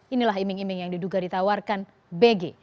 inilah iming iming yang diduga ditawarkan bg